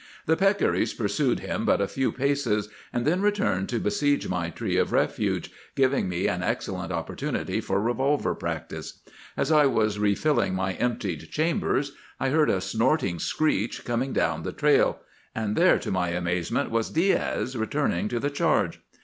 "The peccaries pursued him but a few paces, and then returned to besiege my tree of refuge, giving me an excellent opportunity for revolver practice. As I was refilling my emptied chambers, I heard a snorting screech coming down the trail; and there to my amazement was Diaz returning to the charge.